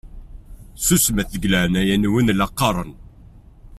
Susmet deg leɛnaya-nwen la qqaṛen!